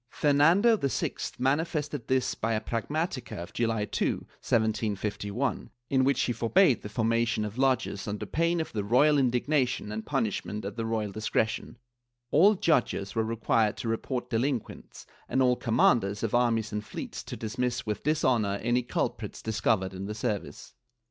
Fernando VI manifested this by a pragmatica of July 2, 1751, in which he forbade the for mation of lodges under pain of the royal indignation and punish ment at the royal discretion; all judges were required to report delinquents, and all commanders of armies and fleets to dismiss with dishonor any culprits discovered in the service.